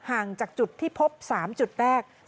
ห่างจากจุดที่พบ๓จุดแรก